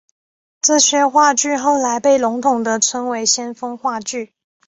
这些话剧后来被笼统地称为先锋话剧。